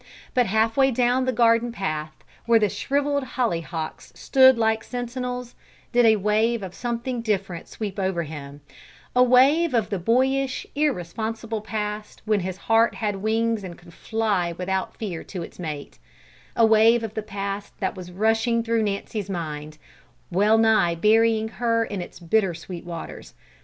But half way down the garden path, where the shrivelled hollyhocks stood like sentinels, did a wave of something different sweep over him a wave of the boyish, irresponsible past when his heart had wings and could fly without fear to its mate a wave of the past that was rushing through Nancy's mind, well nigh burying her in its bitter sweet waters!